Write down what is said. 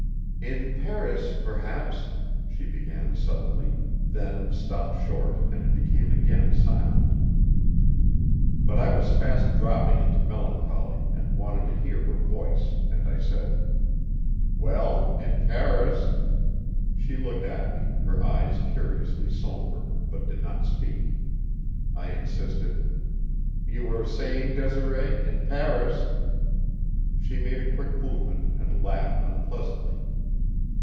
"In Paris, perhaps " she began suddenly, then stopped short and became again silent. But I was fast dropping into melancholy and wanted to hear her voice, and I said: "Well? In Paris " She looked at me, her eyes curiously somber, but did not speak. I insisted: "You were saying, Desiree, in Paris " She made a quick movement and laughed unpleasantly.